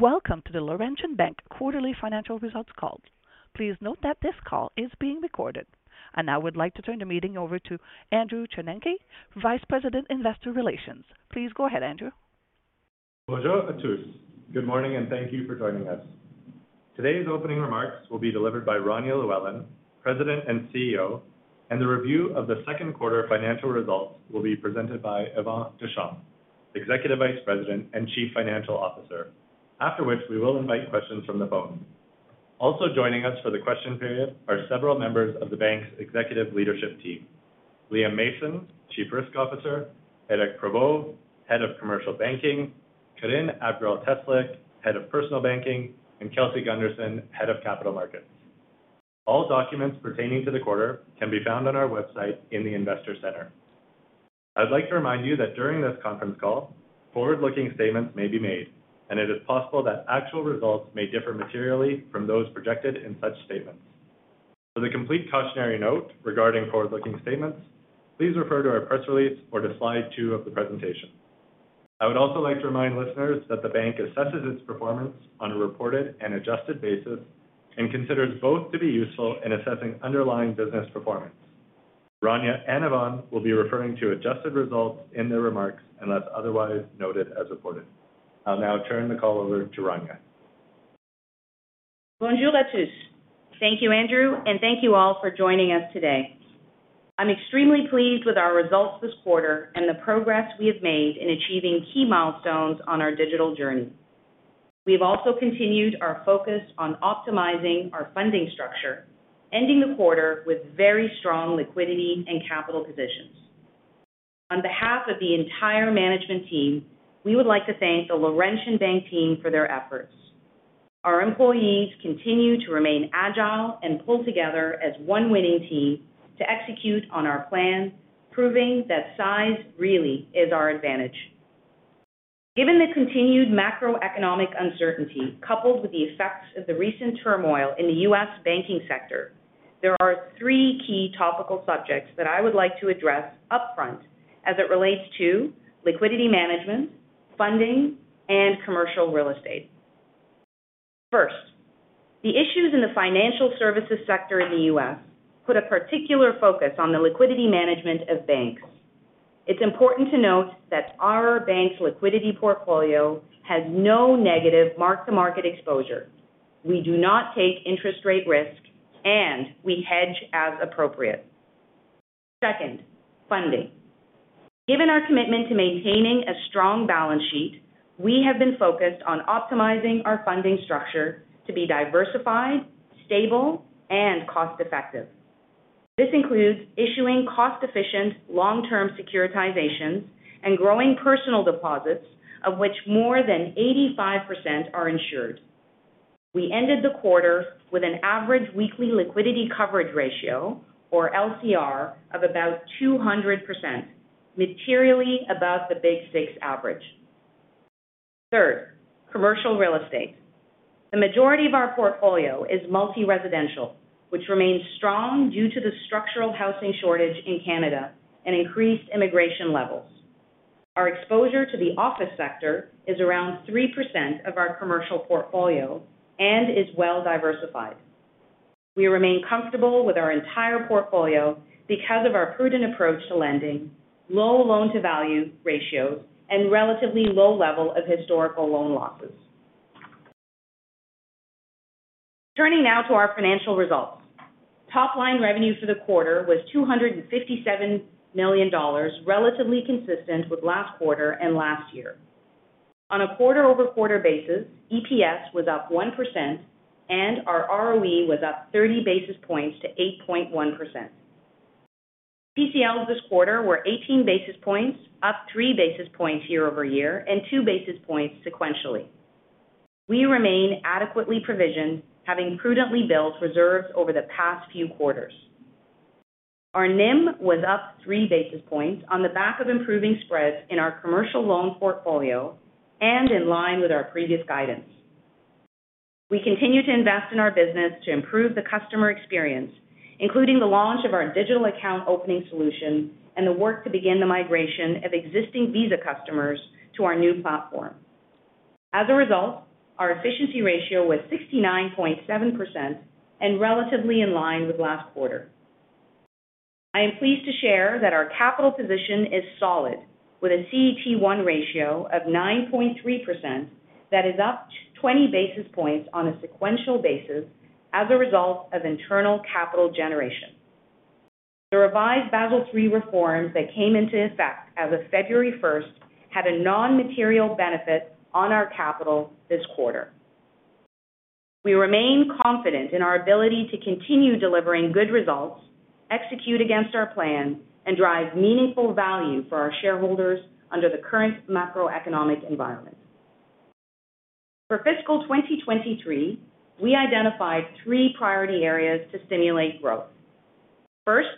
Welcome to the Laurentian Bank quarterly financial results call. Please note that this call is being recorded. I now would like to turn the meeting over to Andrew Chornenky, Vice President, Investor Relations. Please go ahead, Andrew. Bonjour à tous. Good morning, and thank you for joining us. Today's opening remarks will be delivered by Rania Llewellyn, President and CEO, the review of the second quarter financial results will be presented by Yvan Deschamps, Executive Vice President and Chief Financial Officer, after which we will invite questions from the phone. Also joining us for the question period are several members of the bank's executive leadership team: Liam Mason, Chief Risk Officer, Éric Provost, Head of Commercial Banking, Karine Abgrall-Teslyk, Head of Personal Banking, and Kelsey Gunderson, Head of Capital Markets. All documents pertaining to the quarter can be found on our website in the Investor Center. I'd like to remind you that during this conference call, forward-looking statements may be made, and it is possible that actual results may differ materially from those projected in such statements. For the complete cautionary note regarding forward-looking statements, please refer to our press release or to Slide two of the presentation. I would also like to remind listeners that the bank assesses its performance on a reported and adjusted basis and considers both to be useful in assessing underlying business performance. Rania and Yvan will be referring to adjusted results in their remarks unless otherwise noted as reported. I'll now turn the call over to Rania. Bonjour à tous. Thank you, Andrew, and thank you all for joining us today. I'm extremely pleased with our results this quarter and the progress we have made in achieving key milestones on our digital journey. We've also continued our focus on optimizing our funding structure, ending the quarter with very strong liquidity and capital positions. On behalf of the entire management team, we would like to thank the Laurentian Bank team for their efforts. Our employees continue to remain agile and pull together as one winning team to execute on our plan, proving that size really is our advantage. Given the continued macroeconomic uncertainty, coupled with the effects of the recent turmoil in the U.S. banking sector, there are three key topical subjects that I would like to address upfront as it relates to liquidity management, funding, and commercial real estate. First, the issues in the financial services sector in the U.S. put a particular focus on the liquidity management of banks. It's important to note that our bank's liquidity portfolio has no negative mark-to-market exposure. We do not take interest rate risk. We hedge as appropriate. Second, funding. Given our commitment to maintaining a strong balance sheet, we have been focused on optimizing our funding structure to be diversified, stable, and cost-effective. This includes issuing cost-efficient, long-term securitizations and growing personal deposits, of which more than 85% are insured. We ended the quarter with an average weekly liquidity coverage ratio, or LCR, of about 200%, materially above the Big Six average. Third, commercial real estate. The majority of our portfolio is multi-residential, which remains strong due to the structural housing shortage in Canada and increased immigration levels. Our exposure to the office sector is around 3% of our commercial portfolio and is well diversified. We remain comfortable with our entire portfolio because of our prudent approach to lending, low loan-to-value ratios, and relatively low level of historical loan losses. Turning now to our financial results. Top-line revenue for the quarter was 257 million dollars, relatively consistent with last quarter and last year. Quarter-over-quarter basis, EPS was up 1%, and our ROE was up 30 basis points to 8.1%. PCLs this quarter were 18 basis points, up 3 basis points year-over-year and 2 basis points sequentially. We remain adequately provisioned, having prudently built reserves over the past few quarters. Our NIM was up 3 basis points on the back of improving spreads in our commercial loan portfolio and in line with our previous guidance. We continue to invest in our business to improve the customer experience, including the launch of our digital account opening solution and the work to begin the migration of existing Visa customers to our new platform. As a result, our efficiency ratio was 69.7% and relatively in line with last quarter. I am pleased to share that our capital position is solid, with a CET1 ratio of 9.3%. That is up 20 basis points on a sequential basis as a result of internal capital generation. The revised Basel III reforms that came into effect as of February 1st had a non-material benefit on our capital this quarter. We remain confident in our ability to continue delivering good results, execute against our plan, and drive meaningful value for our shareholders under the current macroeconomic environment. For fiscal 2023, we identified three priority areas to stimulate growth. First,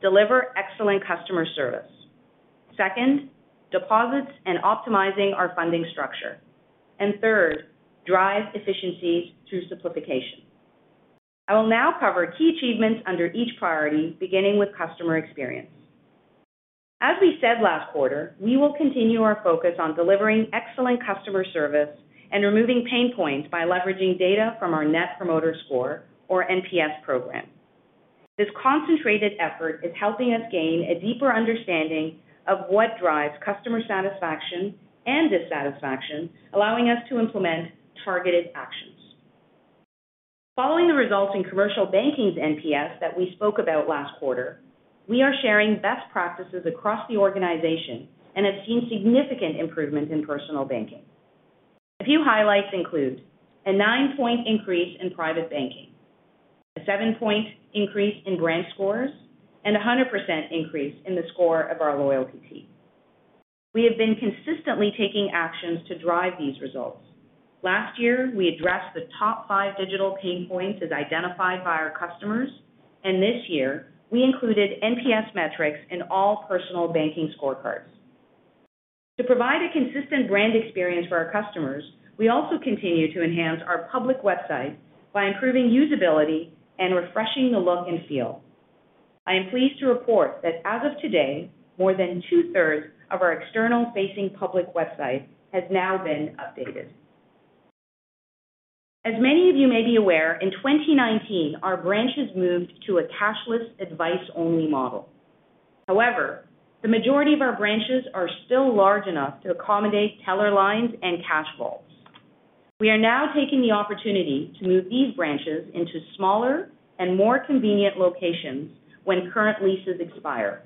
deliver excellent customer service. Second, deposits and optimizing our funding structure. Third, drive efficiency through simplification. I will now cover key achievements under each priority, beginning with customer experience. As we said last quarter, we will continue our focus on delivering excellent customer service and removing pain points by leveraging data from our Net Promoter Score, or NPS program. This concentrated effort is helping us gain a deeper understanding of what drives customer satisfaction and dissatisfaction, allowing us to implement targeted actions. Following the results in commercial banking's NPS that we spoke about last quarter, we are sharing best practices across the organization and have seen significant improvements in personal banking. A few highlights include: a nine-point increase in private banking, a seven-point increase in brand scores, and a 100% increase in the score of our loyalty team. We have been consistently taking actions to drive these results. Last year, we addressed the top five digital pain points as identified by our customers, and this year, we included NPS metrics in all personal banking scorecards. To provide a consistent brand experience for our customers, we also continue to enhance our public website by improving usability and refreshing the look and feel. I am pleased to report that as of today, more than two-thirds of our external-facing public website has now been updated. As many of you may be aware, in 2019, our branches moved to a cashless, advice-only model. However, the majority of our branches are still large enough to accommodate teller lines and cash vaults. We are now taking the opportunity to move these branches into smaller and more convenient locations when current leases expire.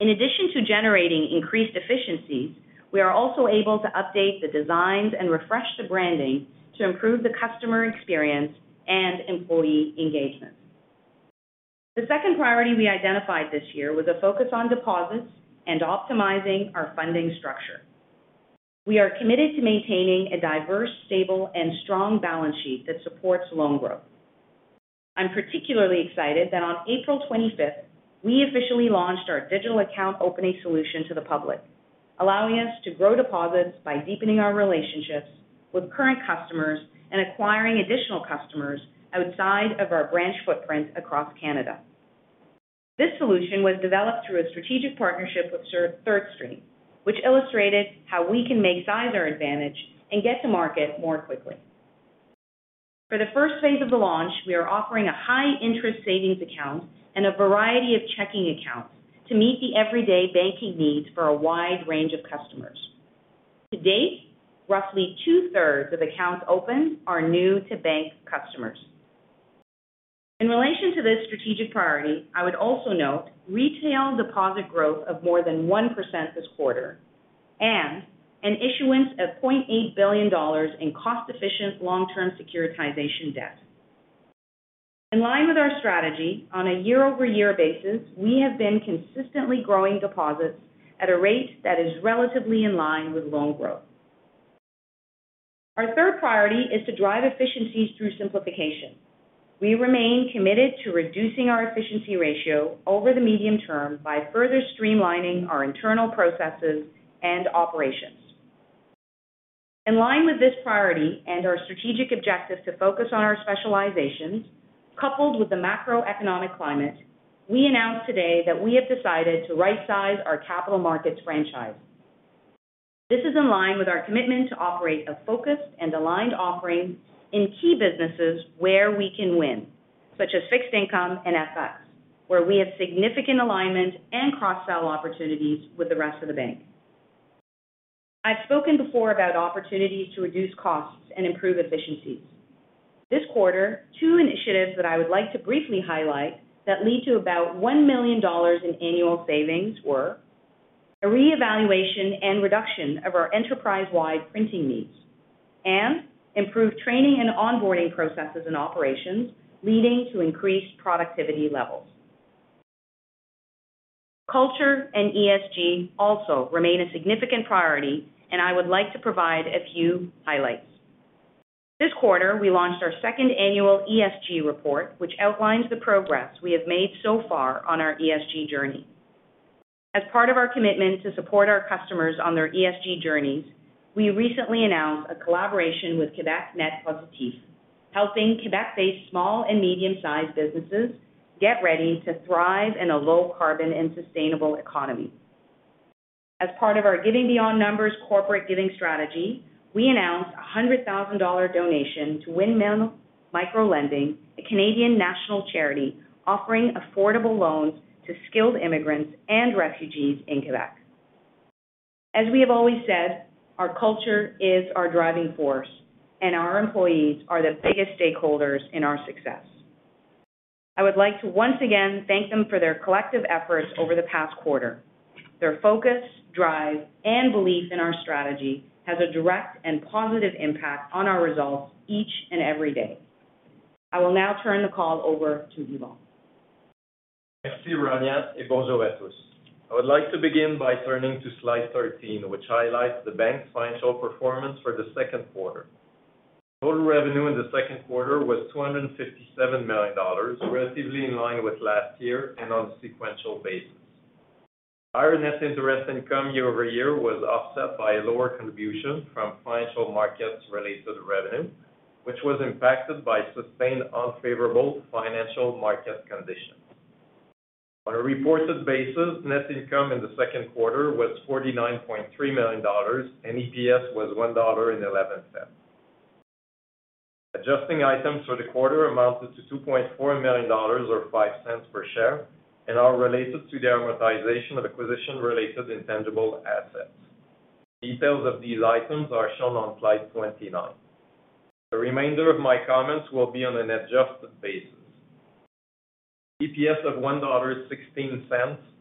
In addition to generating increased efficiencies, we are also able to update the designs and refresh the branding to improve the customer experience and employee engagement. The second priority we identified this year was a focus on deposits and optimizing our funding structure. We are committed to maintaining a diverse, stable and strong balance sheet that supports loan growth. I'm particularly excited that on April 25th, we officially launched our digital account opening solution to the public, allowing us to grow deposits by deepening our relationships with current customers and acquiring additional customers outside of our branch footprint across Canada. This solution was developed through a strategic partnership with Thirdstream, which illustrated how we can make size our advantage and get to market more quickly. For the first phase of the launch, we are offering a high-interest savings account and a variety of checking accounts to meet the everyday banking needs for a wide range of customers. To date, roughly two-thirds of accounts opened are new-to-bank customers. In relation to this strategic priority, I would also note retail deposit growth of more than 1% this quarter, and an issuance of 0.8 billion dollars in cost-efficient, long-term securitization debt. In line with our strategy, on a year-over-year basis, we have been consistently growing deposits at a rate that is relatively in line with loan growth. Our third priority is to drive efficiencies through simplification. We remain committed to reducing our efficiency ratio over the medium term by further streamlining our internal processes and operations. In line with this priority and our strategic objective to focus on our specializations, coupled with the macroeconomic climate, we announced today that we have decided to rightsize our capital markets franchise. This is in line with our commitment to operate a focused and aligned offering in key businesses where we can win, such as fixed income and FX, where we have significant alignment and cross-sell opportunities with the rest of the bank. I've spoken before about opportunities to reduce costs and improve efficiencies. This quarter, two initiatives that I would like to briefly highlight that lead to about 1 million dollars in annual savings were: a reevaluation and reduction of our enterprise-wide printing needs, and improved training and onboarding processes and operations, leading to increased productivity levels. Culture and ESG also remain a significant priority, and I would like to provide a few highlights. This quarter, we launched our second annual ESG report, which outlines the progress we have made so far on our ESG journey. As part of our commitment to support our customers on their ESG journeys, we recently announced a collaboration with Québec Net Positif, helping Quebec-based small and medium-sized businesses get ready to thrive in a low carbon and sustainable economy. As part of our Giving Beyond Numbers corporate giving strategy, we announced a hundred thousand dollar donation to Windmill Microlending, a Canadian national charity offering affordable loans to skilled immigrants and refugees in Quebec. As we have always said, our culture is our driving force, and our employees are the biggest stakeholders in our success. I would like to once again thank them for their collective efforts over the past quarter. Their focus, drive, and belief in our strategy has a direct and positive impact on our results each and every day. I will now turn the call over to Yvan. Merci, Rania, et bonjour à tous. I would like to begin by turning to Slide 13, which highlights the bank's financial performance for the second quarter. Total revenue in the second quarter was 257 million dollars, relatively in line with last year and on a sequential basis. Higher net interest income year-over-year was offset by a lower contribution from financial markets related to the revenue which was impacted by sustained unfavorable financial market conditions. On a reported basis, net income in the second quarter was 49.3 million dollars, and EPS was 1.11 dollar. Adjusting items for the quarter amounted to 2.4 million dollars or 0.05 per share, and are related to the amortization of acquisition-related intangible assets. Details of these items are shown on Slide 29. The remainder of my comments will be on an adjusted basis. EPS of 1.16 dollar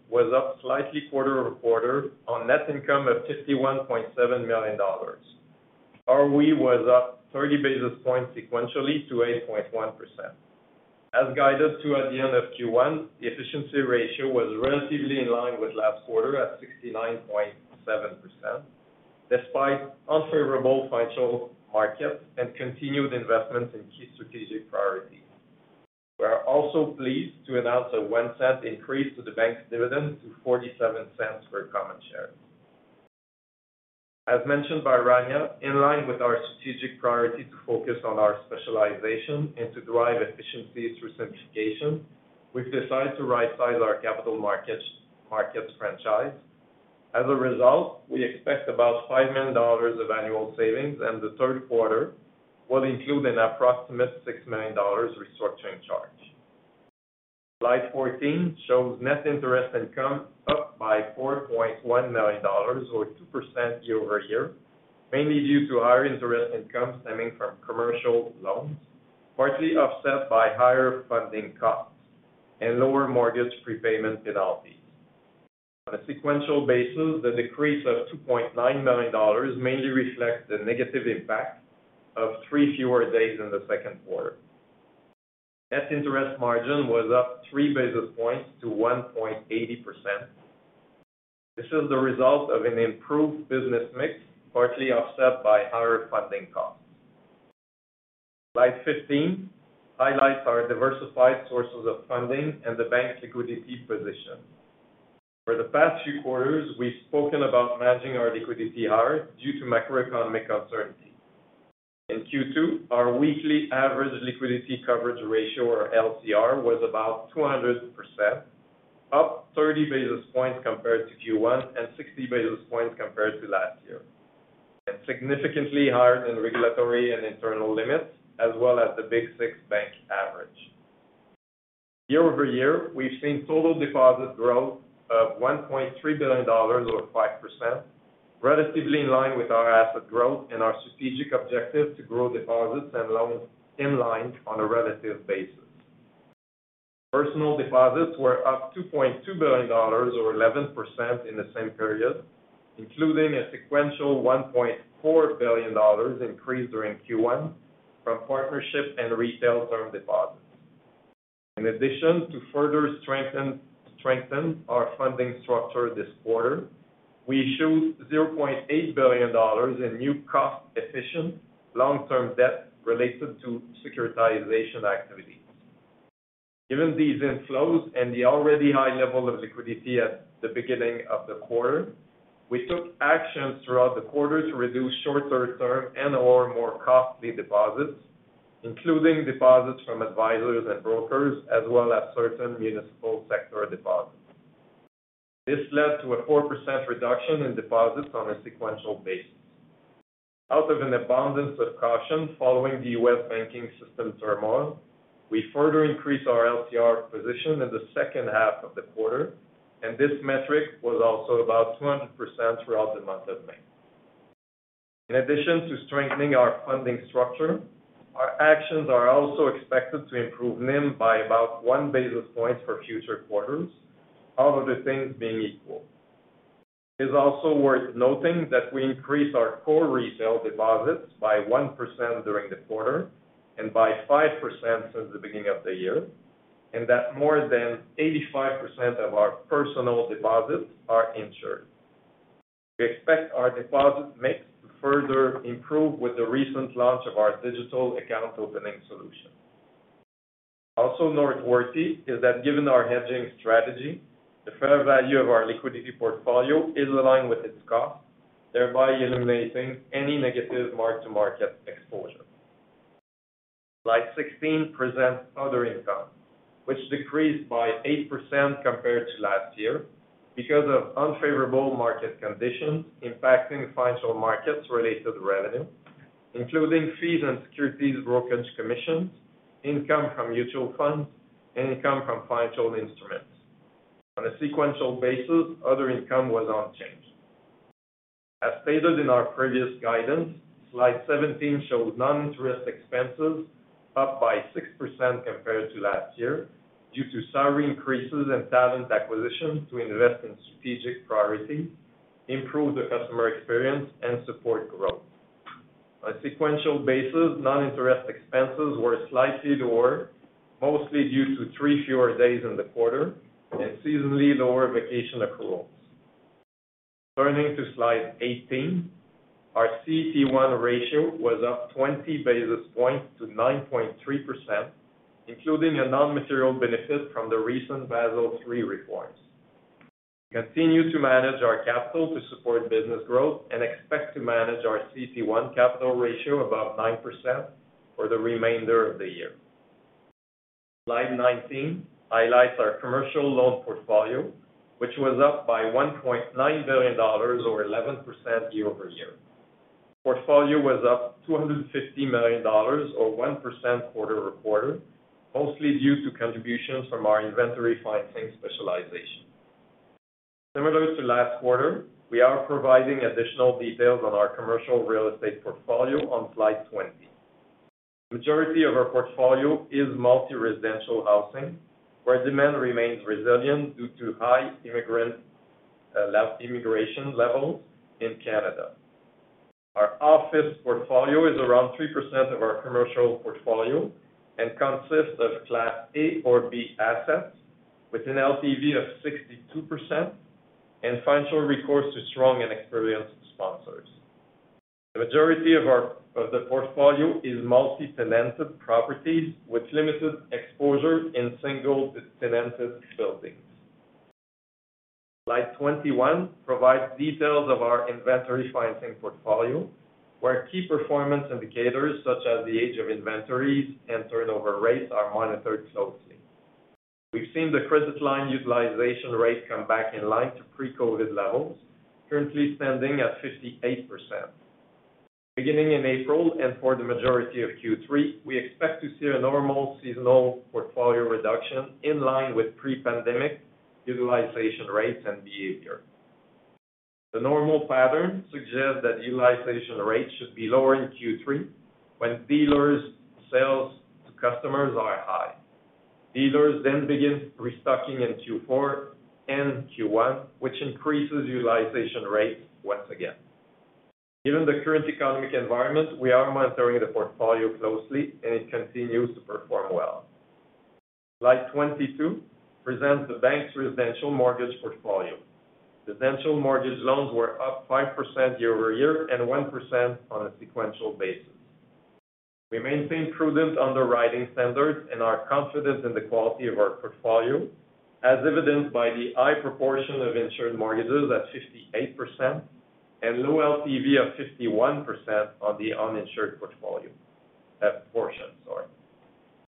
was up slightly quarter-over-quarter on net income of 51.7 million dollars. ROE was up 30 basis points sequentially to 8.1%. As guided to at the end of Q1, the efficiency ratio was relatively in line with last quarter at 69.7%, despite unfavorable financial markets and continued investments in key strategic priorities. We are also pleased to announce a 0.01 increase to the bank's dividend to 0.47 per common share. As mentioned by Rania, in line with our strategic priority to focus on our specialization and to drive efficiency through simplification, we've decided to rightsize our capital markets franchise. As a result, we expect about 5 million dollars of annual savings, and the third quarter will include an approximate 6 million dollars restructuring charge. Slide 14 shows net interest income up by 4.1 million dollars or 2% year-over-year, mainly due to higher interest income stemming from commercial loans, partly offset by higher funding costs and lower mortgage prepayment penalties. On a sequential basis, the decrease of 2.9 million dollars mainly reflects the negative impact of three fewer days in the second quarter. Net interest margin was up 3 basis points to 1.80%. This is the result of an improved business mix, partly offset by higher funding costs. Slide 15 highlights our diversified sources of funding and the bank's liquidity position. For the past few quarters, we've spoken about managing our liquidity higher due to macroeconomic uncertainty. In Q2, our weekly average liquidity coverage ratio, or LCR, was about 200%, up 30 basis points compared to Q1 and 60 basis points compared to last year. Significantly higher than regulatory and internal limits, as well as the Big Six-bank average. Year-over-year, we've seen total deposit growth of 1.3 billion dollars or 5%, relatively in line with our asset growth and our strategic objective to grow deposits and loans in line on a relative basis. Personal deposits were up 2.2 billion dollars or 11% in the same period, including a sequential 1.4 billion dollars increase during Q1 from partnership and retail term deposits. To further strengthen our funding structure this quarter, we issued 0.8 billion dollars in new cost-efficient long-term debt related to securitization activities. Given these inflows and the already high level of liquidity at the beginning of the quarter, we took actions throughout the quarter to reduce shorter-term and/or more costly deposits, including deposits from advisors and brokers, as well as certain municipal sector deposits. This led to a 4% reduction in deposits on a sequential basis. Out of an abundance of caution, following the U.S. banking system turmoil, we further increased our LCR position in the second half of the quarter, and this metric was also about 200% throughout the month of May. In addition to strengthening our funding structure, our actions are also expected to improve NIM by about 1 basis point for future quarters, all other things being equal. It is also worth noting that we increased our core retail deposits by 1% during the quarter and by 5% since the beginning of the year, that more than 85% of our personal deposits are insured. We expect our deposit mix to further improve with the recent launch of our digital account opening solution. Also noteworthy is that given our hedging strategy, the fair value of our liquidity portfolio is aligned with its cost, thereby eliminating any negative mark-to-market exposure. Slide 16 presents other income, which decreased by 8% compared to last year because of unfavorable market conditions impacting financial markets-related revenue, including fees and securities brokerage commissions, income from mutual funds, and income from financial instruments. On a sequential basis, other income was unchanged. As stated in our previous guidance, Slide 17 shows non-interest expenses up by 6% compared to last year due to salary increases and talent acquisition to invest in strategic priorities, improve the customer experience, and support growth. On a sequential basis, non-interest expenses were slightly lower, mostly due to three fewer days in the quarter and seasonally lower vacation accruals. Turning to Slide 18, our CET1 ratio was up 20 basis points to 9.3%, including a non-material benefit from the recent Basel III reforms. We continue to manage our capital to support business growth and expect to manage our CET1 capital ratio above 9% for the remainder of the year. Slide 19 highlights our commercial loan portfolio, which was up by 1.9 billion dollars or 11% year-over-year. Portfolio was up 250 million dollars or 1% quarter-over-quarter, mostly due to contributions from our inventory financing specialization. Similar to last quarter, we are providing additional details on our commercial real estate portfolio on Slide 20. Majority of our portfolio is multi-residential housing, where demand remains resilient due to high immigrant immigration levels in Canada. Our office portfolio is around 3% of our commercial portfolio and consists of class A or B assets with an LTV of 62% and financial recourse to strong and experienced sponsors. The majority of the portfolio is multi-tenanted properties, with limited exposure in single-tenanted buildings. Slide 21 provides details of our inventory financing portfolio, where key performance indicators such as the age of inventories and turnover rates are monitored closely. We've seen the credit line utilization rate come back in line to pre-COVID levels, currently standing at 58%. Beginning in April and for the majority of Q3, we expect to see a normal seasonal portfolio reduction in line with pre-pandemic utilization rates and behavior. The normal pattern suggests that utilization rates should be lower in Q3 when dealers' sales to customers are high. Dealers begin restocking in Q4 and Q1, which increases utilization rates once again. Given the current economic environment, we are monitoring the portfolio closely, and it continues to perform well. Slide 22 presents the bank's residential mortgage portfolio. Residential mortgage loans were up 5% year-over-year and 1% on a sequential basis. We maintain prudent underwriting standards and are confident in the quality of our portfolio, as evidenced by the high proportion of insured mortgages at 58% and low LTV of 51% on the uninsured portfolio, portion, sorry.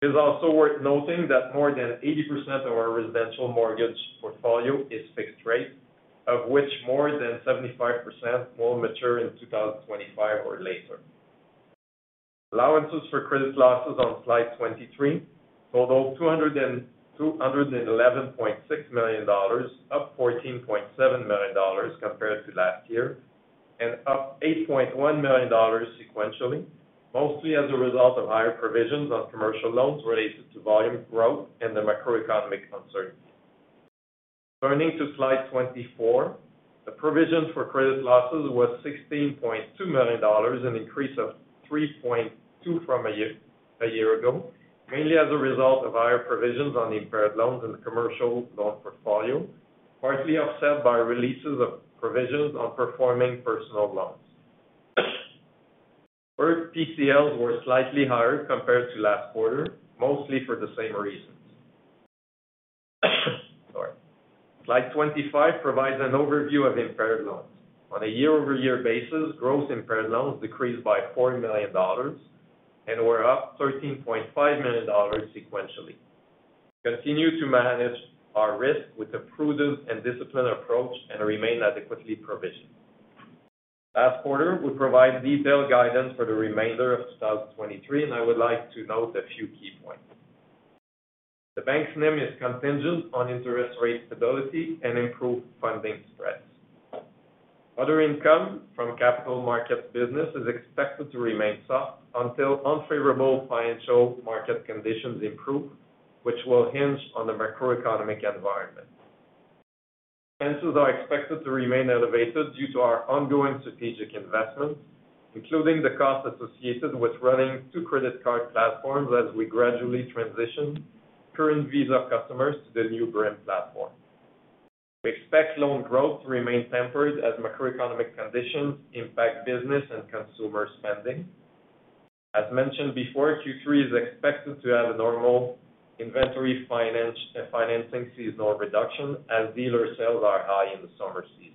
It is also worth noting that more than 80% of our residential mortgage portfolio is fixed rate, of which more than 75% will mature in 2025 or later. Allowances for credit losses on Slide 23 totaled 211.6 million dollars, up 14.7 million dollars compared to last year, and up 8.1 million dollars sequentially, mostly as a result of higher provisions on commercial loans related to volume growth and the macroeconomic uncertainty. Turning to Slide 24, the provision for credit losses was 16.2 million dollars, an increase of 3.2 million from a year ago, mainly as a result of higher provisions on impaired loans in the commercial loan portfolio, partly offset by releases of provisions on performing personal loans. Gross PCLs were slightly higher compared to last quarter, mostly for the same reasons. Sorry. Slide 25 provides an overview of impaired loans. On a year-over-year basis, gross impaired loans decreased by 40 million dollars and were up 13.5 million dollars sequentially. We continue to manage our risk with a prudent and disciplined approach and remain adequately provisioned. Last quarter, we provided detailed guidance for the remainder of 2023, and I would like to note a few key points. The bank's NIM is contingent on interest rate stability and improved funding spreads. Other income from capital markets business is expected to remain soft until unfavorable financial market conditions improve, which will hinge on the macroeconomic environment. Expenses are expected to remain elevated due to our ongoing strategic investments, including the costs associated with running two credit card platforms as we gradually transition current Visa customers to the new brand platform. We expect loan growth to remain tempered as macroeconomic conditions impact business and consumer spending. As mentioned before, Q3 is expected to have a normal inventory financing seasonal reduction, as dealer sales are high in the summer season.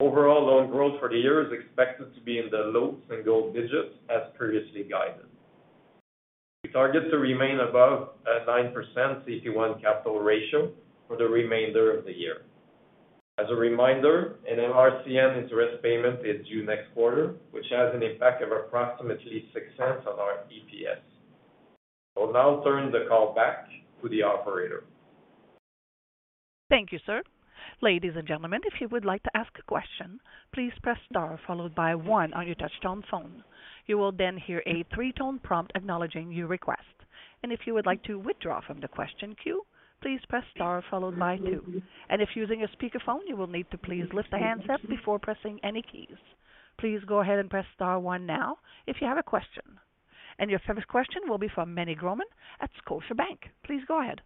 Overall, loan growth for the year is expected to be in the low single digits, as previously guided. We target to remain above a 9% CET1 capital ratio for the remainder of the year. As a reminder, an LRCN interest payment is due next quarter, which has an impact of approximately 0.06 on our EPS. I'll now turn the call back to the operator. Thank you, sir. Ladies and gentlemen, if you would like to ask a question, please press star followed by one on your touchtone phone. You will hear a three-tone prompt acknowledging your request. If you would like to withdraw from the question queue, please press star followed by two. If using a speakerphone, you will need to please lift the handset before pressing any keys. Please go ahead and press star one now if you have a question, and your first question will be from Meny Grauman at Scotiabank. Please go ahead.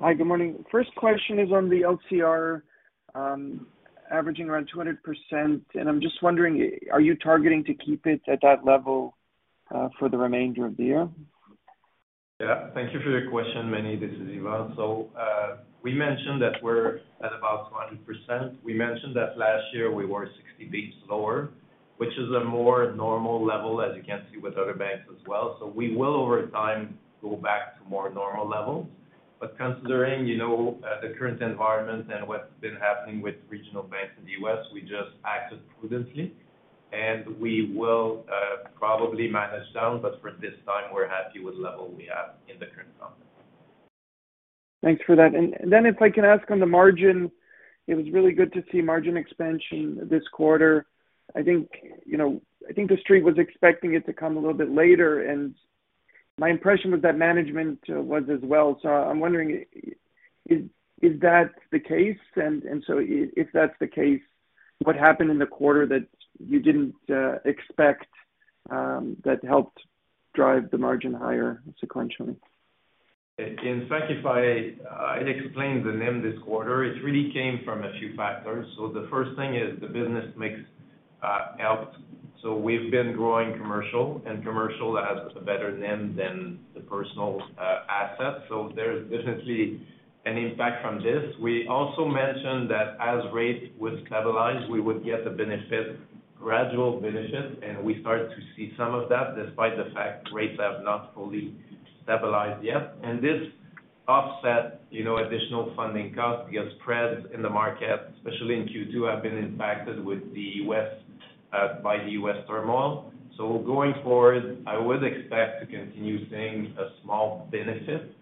Hi, good morning. First question is on the LCR, averaging around 200%, and I'm just wondering, are you targeting to keep it at that level for the remainder of the year? Yeah, thank you for your question, Meny. This is Yvan. We mentioned that we're at about 200%. We mentioned that last year we were 60 basis points lower, which is a more normal level, as you can see with other banks as well. We will, over time, go back to more normal levels. Considering, you know, the current environment and what's been happening with regional banks in the U.S., we just acted prudently. We will, probably manage down, but for this time, we're happy with the level we have in the current environment. Thanks for that. Then if I can ask on the margin, it was really good to see margin expansion this quarter. I think, you know, I think the street was expecting it to come a little bit later, and my impression was that management was as well. I'm wondering, is that the case? If that's the case, what happened in the quarter that you didn't expect that helped drive the margin higher sequentially? In fact, if I'd explain the NIM this quarter, it really came from a few factors. The first thing is the business mix helped. We've been growing commercial, and commercial has a better NIM than the personal assets, so there's definitely an impact from this. We also mentioned that as rates would stabilize, we would get the benefit, gradual benefit, and we start to see some of that, despite the fact rates have not fully stabilized yet. This offset, you know, additional funding costs because spreads in the market, especially in Q2, have been impacted with the U.S. by the U.S. turmoil. Going forward, I would expect to continue seeing a small benefit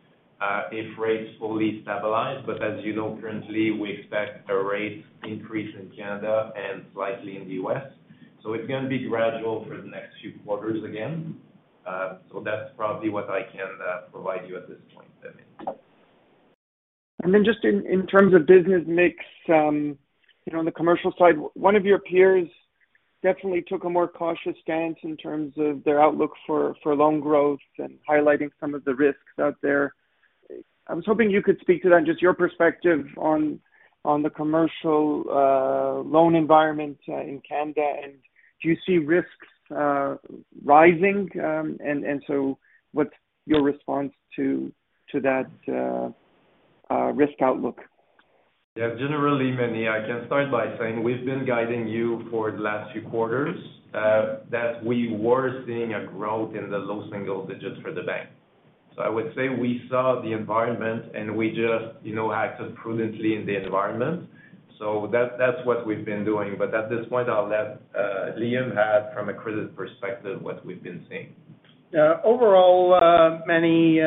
if rates fully stabilize. As you know, currently, we expect a rate increase in Canada and slightly in the U.S.. It's going to be gradual for the next few quarters again. That's probably what I can provide you at this point, Meny. Just in terms of business mix, you know, on the commercial side, one of your peers definitely took a more cautious stance in terms of their outlook for loan growth and highlighting some of the risks out there. I was hoping you could speak to that, just your perspective on the commercial loan environment in Canada, and do you see risks rising? What's your response to that risk outlook? Yeah, generally, Meny, I can start by saying we've been guiding you for the last few quarters, that we were seeing a growth in the low single digits for the bank. I would say we saw the environment, and we just, you know, acted prudently in the environment. That's what we've been doing. At this point, I'll let Liam add from a credit perspective, what we've been seeing. Yeah. Overall, Manny,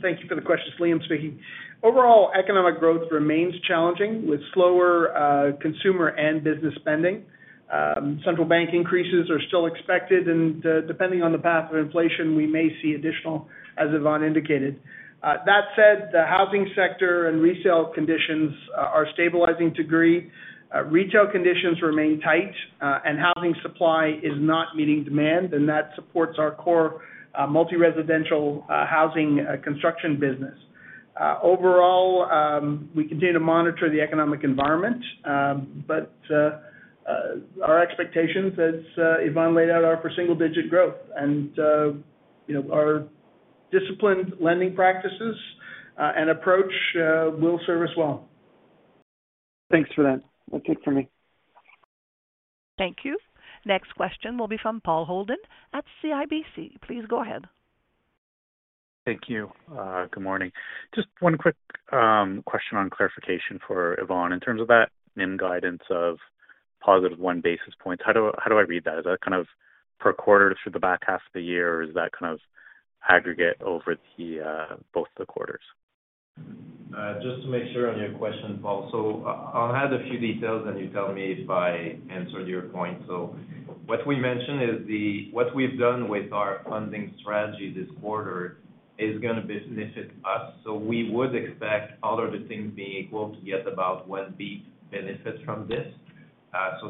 thank you for the question. It's Liam speaking. Overall, economic growth remains challenging, with slower consumer and business spending. Central bank increases are still expected, and depending on the path of inflation, we may see additional, as Yvan indicated. That said, the housing sector and resale conditions are stabilizing to a degree. Retail conditions remain tight, and housing supply is not meeting demand, and that supports our core multi-residential housing construction business. Overall, we continue to monitor the economic environment, but our expectations, as Yvan laid out, are for single-digit growth. You know, our disciplined lending practices and approach will serve us well. Thanks for that. That's it for me. Thank you. Next question will be from Paul Holden at CIBC. Please go ahead. Thank you. Good morning. Just one quick, question on clarification for Yvan. In terms of that NIM guidance of +1 basis points, how do I read that? Is that kind of per quarter through the back half of the year, or is that kind of aggregate over the, both the quarters? Just to make sure on your question, Paul, I'll add a few details, and you tell me if I answered your point. What we mentioned is what we've done with our funding strategy this quarter is going to benefit us, we would expect all of the things being equal to get about 1 basis point benefit from this.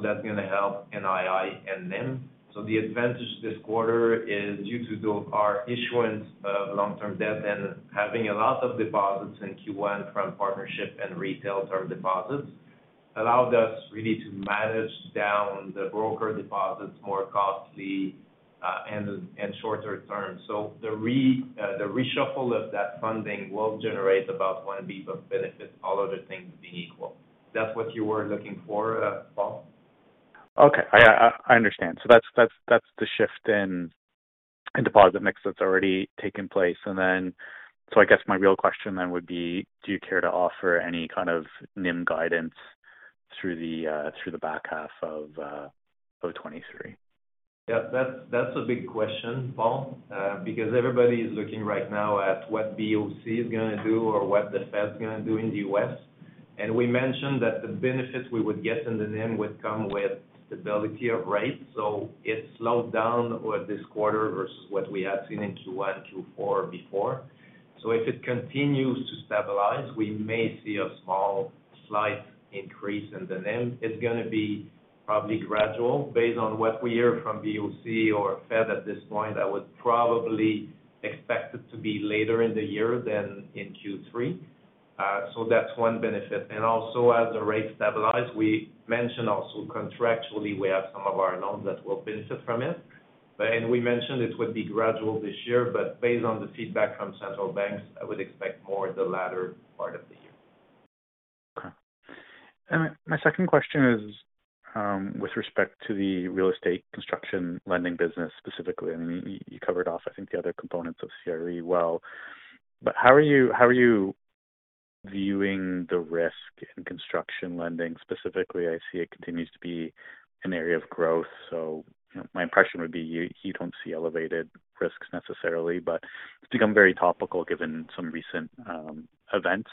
That's going to help NII and NIM. The advantage this quarter is due to our issuance of long-term debt and having a lot of deposits in Q1 from partnership and retail term deposits, allowed us really to manage down the broker deposits more costly, and shorter term. The reshuffle of that funding will generate about 1 basis point of benefits, all other things being equal. That's what you were looking for, Paul? Okay, I understand. That's the shift in deposit mix that's already taken place. I guess my real question then would be, do you care to offer any kind of NIM guidance through the back half of 2023? Yeah, that's a big question, Paul, because everybody is looking right now at what BOC is going to do or what the Fed is going to do in the U.S. We mentioned that the benefits we would get in the NIM would come with stability of rates, so it slowed down with this quarter versus what we had seen in Q1, Q4 before. If it continues to stabilize, we may see a small, slight increase in the NIM. It's going to be probably gradual. Based on what we hear from BOC or Fed at this point, I would probably expect it to be later in the year than in Q3. That's one benefit. Also, as the rates stabilize, we mentioned also contractually we have some of our loans that will benefit from it. We mentioned this would be gradual this year, but based on the feedback from central banks, I would expect more the latter part of the year. Okay. My second question is, with respect to the real estate construction lending business specifically, I mean, you covered off, I think, the other components of CRE well. How are you viewing the risk in construction lending? Specifically, I see it continues to be an area of growth, you know, my impression would be you don't see elevated risks necessarily, but it's become very topical given some recent events.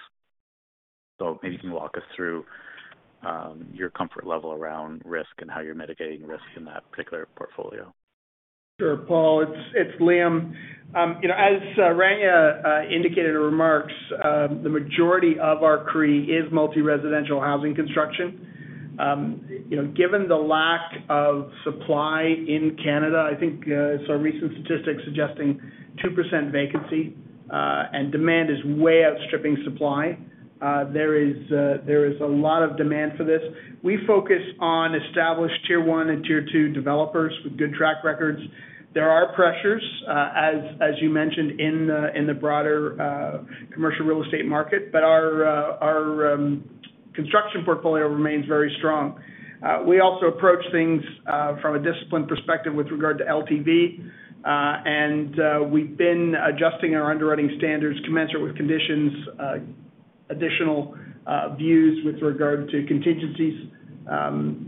Maybe you can walk us through your comfort level around risk and how you're mitigating risk in that particular portfolio. Sure, Paul, it's Liam. You know, as Rania indicated in her remarks, the majority of our CRE is multi-residential housing construction. You know, given the lack of supply in Canada, I think recent statistics suggesting 2% vacancy, and demand is way outstripping supply. There is a lot of demand for this. We focus on established Tier 1 and Tier 2 developers with good track records. There are pressures, as you mentioned, in the broader commercial real estate market, our construction portfolio remains very strong. We also approach things from a discipline perspective with regard to LTV, we've been adjusting our underwriting standards commensurate with conditions, additional views with regard to contingencies.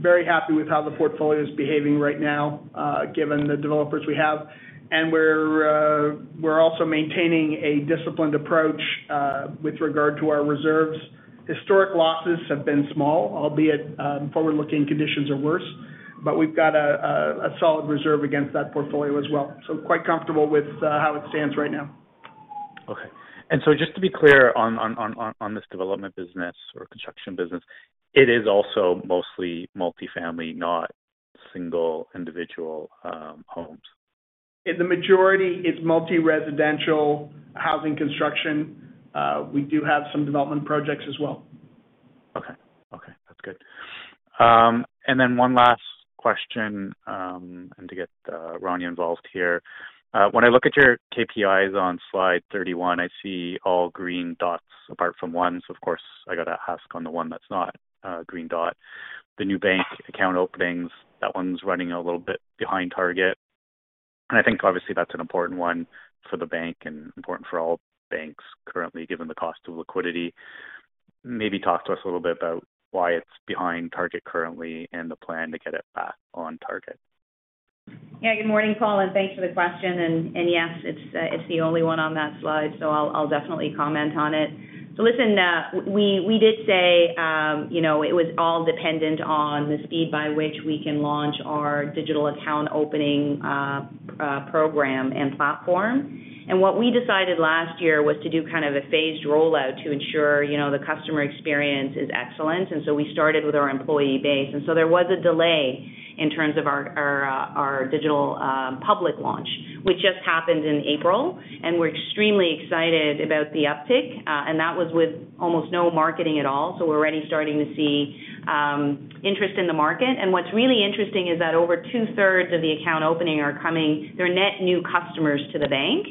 Very happy with how the portfolio is behaving right now, given the developers we have. We're also maintaining a disciplined approach with regard to our reserves. Historic losses have been small, albeit, forward-looking conditions are worse, but we've got a solid reserve against that portfolio as well. Quite comfortable with how it stands right now. Okay. Just to be clear on this development business or construction business, it is also mostly multifamily, not single individual, homes? In the majority, it's multi-residential housing construction. We do have some development projects as well. Okay. Okay, that's good. One last question, and to get Rania involved here. When I look at your KPIs on Slide 31, I see all green dots apart from one. Of course, I got to ask on the one that's not a green dot. The new bank account openings, that 1's running a little bit behind target. I think obviously that's an important one for the bank and important for all banks currently, given the cost of liquidity. Maybe talk to us a little bit about why it's behind target currently and the plan to get it back on target. Yeah, good morning, Paul. Thanks for the question. Yes, it's the only one on that slide, so I'll definitely comment on it. Listen, we did say, you know, it was all dependent on the speed by which we can launch our digital account opening, program and platform. What we decided last year was to do kind of a phased rollout to ensure, you know, the customer experience is excellent, and so we started with our employee base. There was a delay in terms of our digital, public launch, which just happened in April, and we're extremely excited about the uptick. That was with almost no marketing at all, so we're already starting to see, interest in the market. What's really interesting is that over two-thirds of the account opening are coming, they're net new customers to the bank,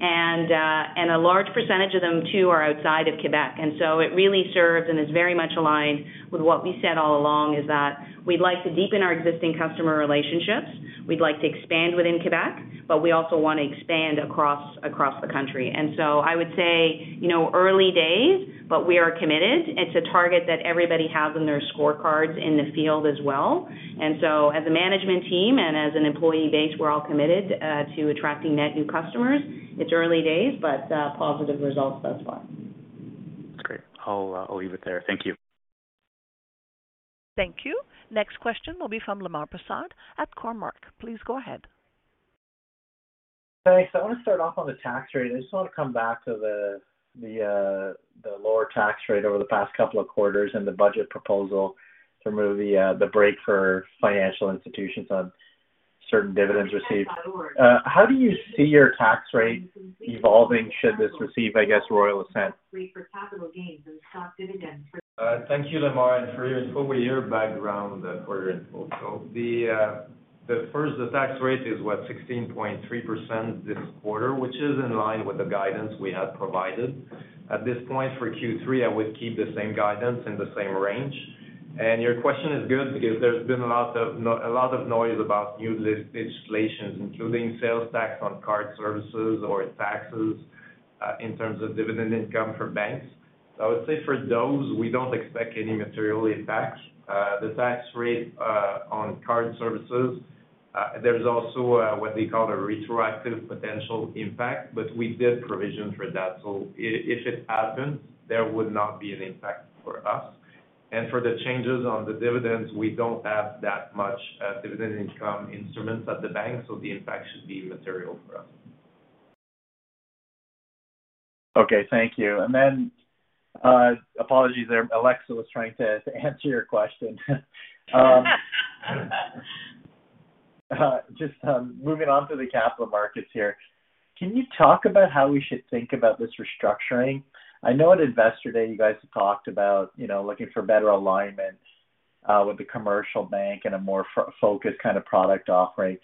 and a large percentage of them, too, are outside of Quebec. It really serves and is very much aligned with what we said all along, is that we'd like to deepen our existing customer relationships, we'd like to expand within Quebec, but we also want to expand across the country. I would say, you know, early days, but we are committed. It's a target that everybody has in their scorecards in the field as well. As a management team and as an employee base, we're all committed to attracting net new customers. It's early days, but positive results thus far. That's great. I'll leave it there. Thank you. Thank you. Next question will be from Lemar Persaud at Cormark. Please go ahead. Thanks. I want to start off on the tax rate. I just want to come back to the lower tax rate over the past couple of quarters and the budget proposal to remove the break for financial institutions on certain dividends received. How do you see your tax rate evolving, should this receive, I guess, royal assent? Wait for capital gains and stock dividends. Thank you, Lemar, and for your over-year background for your info. The first, the tax rate is, what? 16.3% this quarter, which is in line with the guidance we had provided. At this point, for Q3, I would keep the same guidance in the same range. Your question is good because there's been a lot of noise about new legislations, including sales tax on card services or taxes, in terms of dividend income for banks. I would say for those, we don't expect any material impact. The tax rate on card services, there's also what we call a retroactive potential impact, but we did provision for that. If it happens, there would not be an impact for us. For the changes on the dividends, we don't have that much, dividend income instruments at the bank, so the impact should be material for us. Okay, thank you. Apologies there. Alexa was trying to answer your question. Just moving on to the capital markets here, can you talk about how we should think about this restructuring? I know at Investor Day, you guys talked about, you know, looking for better alignment with the commercial bank and a more focused kind of product offering.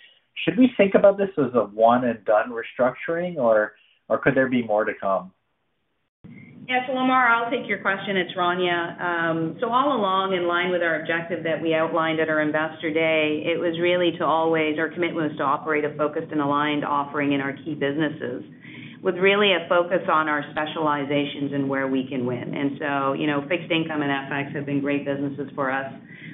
Should we think about this as a one-and-done restructuring, or could there be more to come? Yeah. Lemar, I'll take your question. It's Rania. All along, in line with our objective that we outlined at our Investor Day, it was really to always our commitment was to operate a focused and aligned offering in our key businesses, with really a focus on our specializations and where we can win. You know, fixed income and FX have been great businesses for us,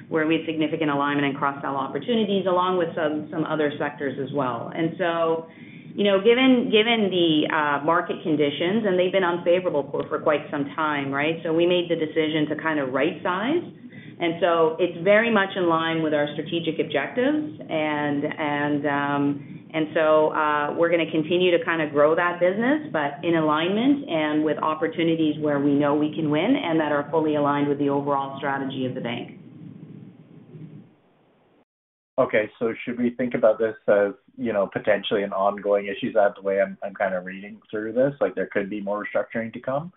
where we have significant alignment and cross-sell opportunities, along with some other sectors as well. You know, given the market conditions, and they've been unfavorable for quite some time, right? We made the decision to kind of right size. It's very much in line with our strategic objectives. We're going to continue to kind of grow that business, but in alignment and with opportunities where we know we can win and that are fully aligned with the overall strategy of the bank. Okay. Should we think about this as, you know, potentially an ongoing issue? Is that the way I'm kind of reading through this, like there could be more restructuring to come?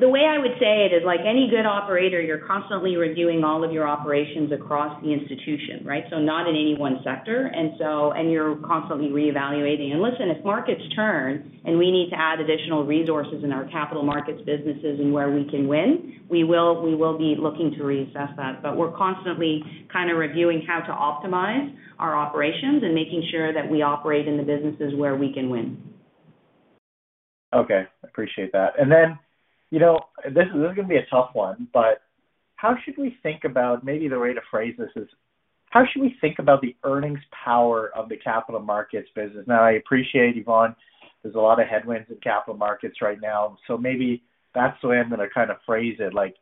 The way I would say it is, like any good operator, you're constantly reviewing all of your operations across the institution, right? Not in any one sector, and you're constantly reevaluating. Listen, if markets turn, and we need to add additional resources in our capital markets businesses and where we can win, we will be looking to reassess that. We're constantly kind of reviewing how to optimize our operations and making sure that we operate in the businesses where we can win. Okay, appreciate that. You know, this is going to be a tough one, but how should we think about. Maybe the way to phrase this is: How should we think about the earnings power of the capital markets business? I appreciate, Yvan, there's a lot of headwinds in capital markets right now, so maybe that's the way I'm going to kind of phrase it. Like,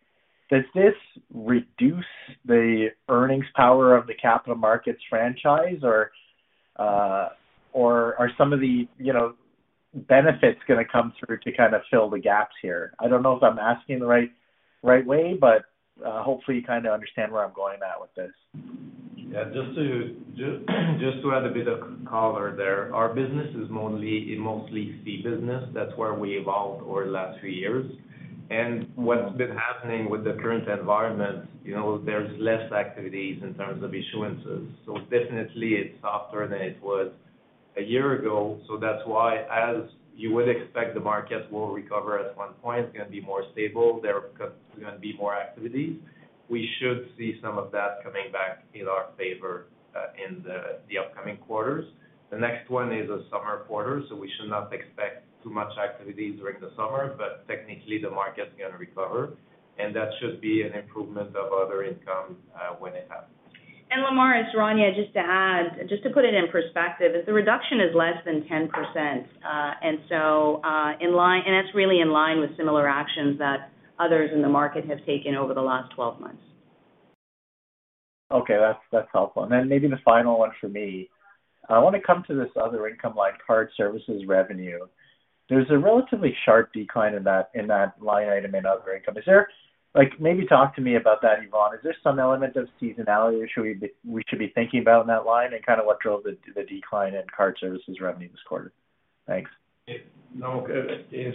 does this reduce the earnings power of the capital markets franchise? Are some of the, you know, benefits going to come through to kind of fill the gaps here? I don't know if I'm asking the right way, but hopefully you kind of understand where I'm going at with this. Yeah, just to add a bit of color there. Our business is mostly C business. That's where we evolved over the last three years. What's been happening with the current environment, you know, there's less activities in terms of issuances, so definitely it's softer than it was a year ago. That's why, as you would expect, the market will recover at one point. It's going to be more stable there because there's going to be more activities. We should see some of that coming back in our favor in the upcoming quarters. The next one is a summer quarter, so we should not expect too much activity during the summer, but technically, the market's going to recover, and that should be an improvement of other income when it happens. Lemar, it's Rania. Just to add, just to put it in perspective, is the reduction is less than 10%, in line with similar actions that others in the market have taken over the last 12 months. Okay, that's helpful. Then maybe the final one for me. I want to come to this other income, like, card services revenue. There's a relatively sharp decline in that, in that line item in other income. Is there, like, maybe talk to me about that, Yvan. Is there some element of seasonality that we should be thinking about in that line, and kind of what drove the decline in card services revenue this quarter? Thanks. In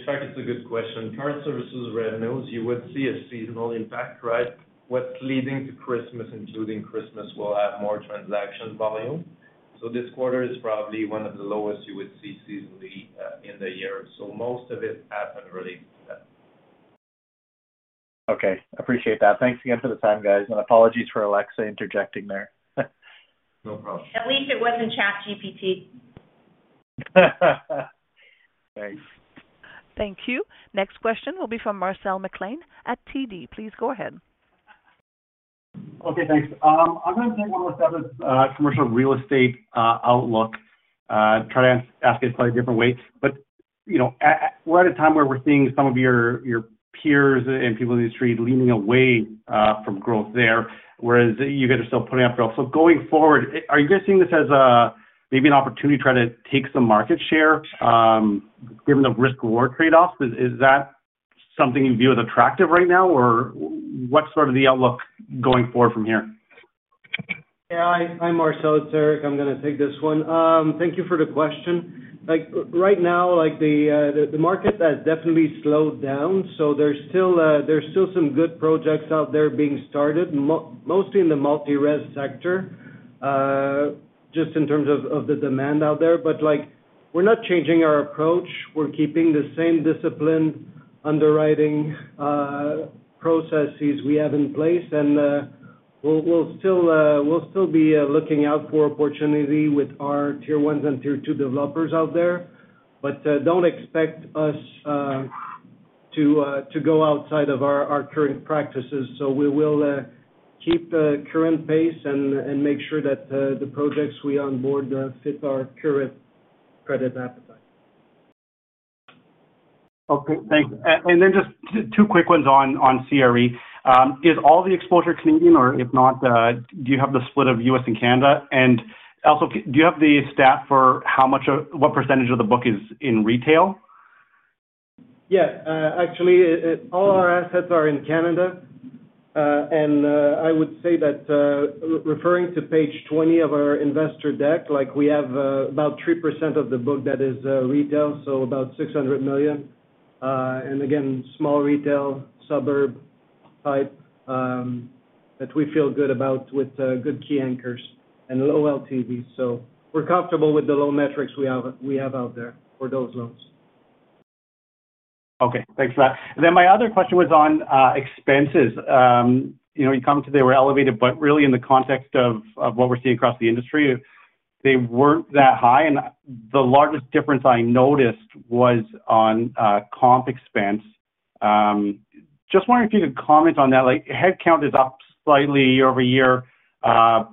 fact, it's a good question. Card services revenues, you would see a seasonal impact, right? What's leading to Christmas, including Christmas, will have more transaction volume. This quarter is probably one of the lowest you would see seasonally in the year. Most of it happened really. Okay, appreciate that. Thanks again for the time, guys, and apologies for Alexa interjecting there. No problem. At least it wasn't ChatGPT. Thanks. Thank you. Next question will be from Marcel McLean at TD. Please go ahead. Okay, thanks. I'm going to take one more stab at commercial real estate outlook. Try to ask it quite a different way. You know, we're at a time where we're seeing some of your peers and people in the industry leaning away from growth there, whereas you guys are still putting up growth. Going forward, are you guys seeing this as a, maybe an opportunity to try to take some market share, given the risk, reward trade-offs? Is that something you view as attractive right now, or what's sort of the outlook going forward from here? Yeah. Hi, Marcel. It's Éric. I'm going to take this one. Thank you for the question. Like, right now, like, the market has definitely slowed down, so there's still some good projects out there being started, mostly in the multi-res sector, just in terms of the demand out there. Like, we're not changing our approach. We're keeping the same disciplined underwriting processes we have in place, and we'll still be looking out for opportunity with our Tier 1 and Tier 2 developers out there. Don't expect us to go outside of our current practices. We will keep the current pace and make sure that the projects we onboard fit our current credit appetite. Okay, thanks. Then just two quick ones on CRE. Is all the exposure Canadian, or if not, do you have the split of U.S. and Canada? Also, do you have the stat for how much of what percentage of the book is in retail? Yeah, actually, all our assets are in Canada. I would say that, referring to Page 20 of our investor deck, like, we have about 3% of the book that is retail, so about 600 million. Again, small retail, suburb type, that we feel good about with good key anchors and low LTVs. We're comfortable with the low metrics we have out there for those loans. Okay, thanks for that. My other question was on expenses. You know, you commented they were elevated, but really in the context of what we're seeing across the industry, they weren't that high, and the largest difference I noticed was on comp expense. Just wondering if you could comment on that. Like, headcount is up slightly year-over-year, but